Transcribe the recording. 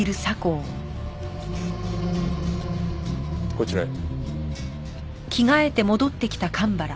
こちらへ。